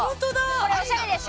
これおしゃれでしょ。